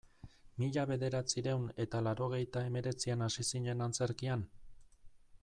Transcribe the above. Mila bederatziehun eta laurogeita hemeretzian hasi zinen antzerkian?